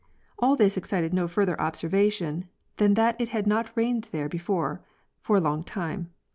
All this excited no further observation than that it had not rained there before for a long time.